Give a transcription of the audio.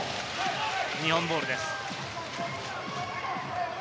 日本ボールです。